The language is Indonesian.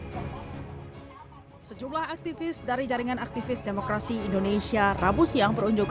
hai sejumlah aktivis dari jaringan aktivis demokrasi indonesia rabu siang berunjuk